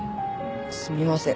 すみません。